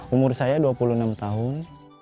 umur saya dua puluh enam tahun